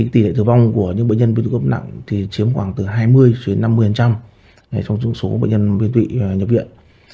tỷ lệ tử vong của những bệnh nhân biến tụy cấp nặng chiếm khoảng hai mươi năm mươi trong số bệnh nhân biến tụy nhập viện